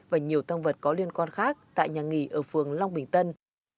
và nhiều tăng vật có liên quan khác tại nhà nghỉ ở phường long bình tân